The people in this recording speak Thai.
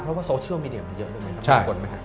เพราะว่าโซเชียลมีเดียวมันเยอะเลยไหมครับ